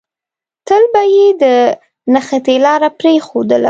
تل به يې د نښتې لاره پرېښودله.